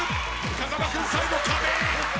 風間君最後壁！